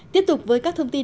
tiếp tục với các thông tin